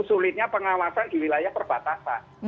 sulitnya pengawasan di wilayah perbatasan